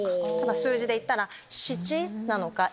数字でいったら。